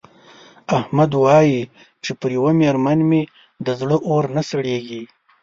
احمد وايې چې پر یوه مېرمن مې د زړه اور نه سړېږي.